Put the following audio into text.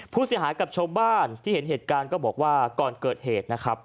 ผู้เสียหายกับชาวบ้านที่เห็นเหตุการณ์ก็บอกว่าก่อนเกิดเหตุนะครับ